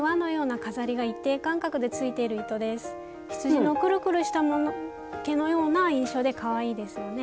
羊のクルクルした毛のような印象でかわいいですよね。